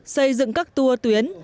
xây dựng các tour tuyến